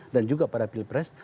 dan juga pada pilpres